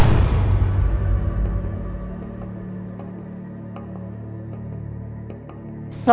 ก็ไปถึงบ้านก็คุยกับคุณพ่อคุณแม่